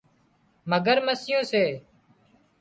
مگرمسيون سي